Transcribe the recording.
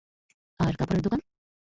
আর কাপড়ের দোকান?